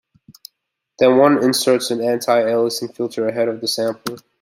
Then one inserts an anti-aliasing filter ahead of the sampler.